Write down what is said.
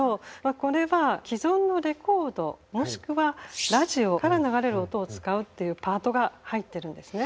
これは既存のレコードもしくはラジオから流れる音を使うっていうパートが入ってるんですね。